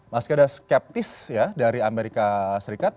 masih ada skeptis ya dari amerika serikat